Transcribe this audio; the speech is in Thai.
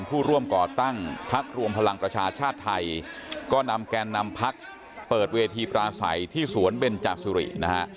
ผู้ร่วมก่อตั้งพักรวมพลังประชาชาติไทยก็นำแกนนำพักเปิดเวทีปราศัยที่สวนเบนจาสุรินะฮะ